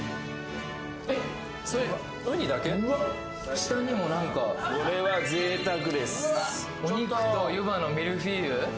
下にも何かこれは贅沢ですお肉と湯葉のミルフィーユ？